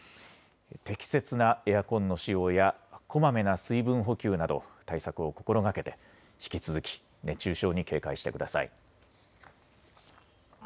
適切なエアコンの使用やこまめな水分補給など対策を心がけて引き続き熱中症に警戒してください。